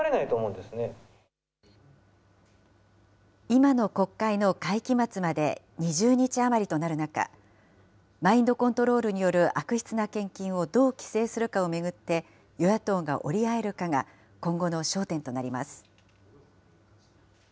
今の国会の会期末まで２０日余りとなる中、マインドコントロールによる悪質な献金をどう規制するかを巡って、与野党が折り合えるかが今後の焦点となります。